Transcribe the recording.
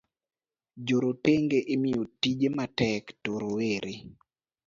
Joretenge imiyo tije matek to rowere